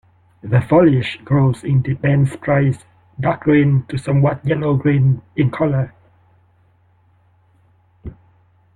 The foliage grows in dense sprays, dark green to somewhat yellow-green in color.